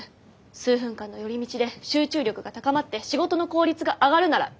数分間の寄り道で集中力が高まって仕事の効率が上がるならイーブンです。